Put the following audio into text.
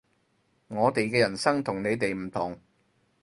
我哋嘅人生同你哋唔同